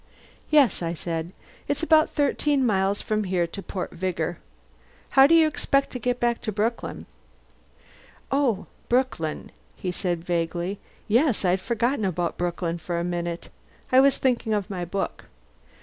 "Yes," I said. "It's about thirteen miles from there to Port Vigor. How do you expect to get back to Brooklyn?" "Oh, Brooklyn?" he said vaguely. "Yes, I'd forgotten about Brooklyn for the minute. I was thinking of my book.